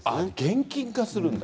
現金化するんだ。